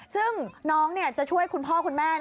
ซึ่งน้องจะช่วยคุณพ่อคุณแม่